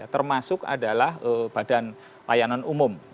termasuk adalah badan layanan umum